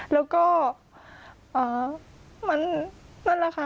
แล้วก็มันนั่นแหละค่ะ